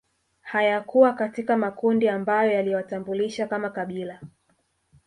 Hayakuwa katika makundi ambayo yaliwatambulisha kama kabila